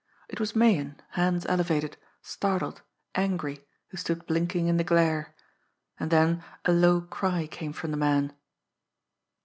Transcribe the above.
It was Meighan, hands elevated, startled, angry, who stood blinking in the glare and then a low cry came from the man.